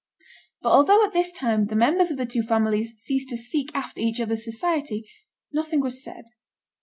But although at this time the members of the two families ceased to seek after each other's society, nothing was said.